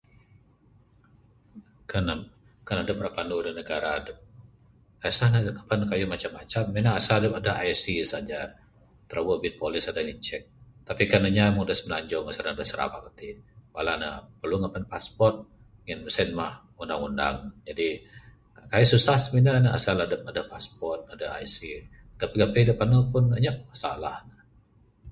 Kan adep ira panu dak negara dep kesah ngeban keyuh macam macam mina asal adep adeh ic saja tirewe bin polis adeh ngicek tapi kan inya mung dak semenjung ndek Sarawak t bala ne perlu ngeban passport ngin mung sien mah undang undang jadi kai susah semine ne asal adep adeh password adeh ic gepih gepih adep panu pun inyap masalah ne.